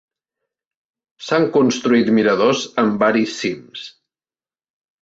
S'han construït miradors en varis cims.